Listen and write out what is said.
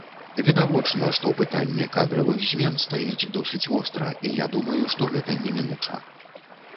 Відавочна, што пытанне кадравых змен стаіць досыць востра, і я думаю, што гэта немінуча.